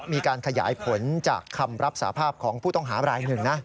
มีการขยายผลจากคำรับสาภาพของผู้ต้องหาบรายหนึ่งนะ